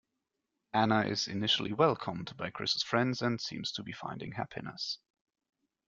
Anna is initially welcomed by Chris's friends and seems to be finding happiness.